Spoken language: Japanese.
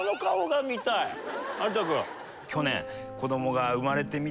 去年。